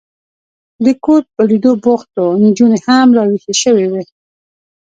د کور په لیدو بوخت و، نجونې هم را وېښې شوې وې.